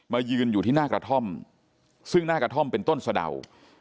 ยืนอยู่ที่หน้ากระท่อมซึ่งหน้ากระท่อมเป็นต้นสะเดา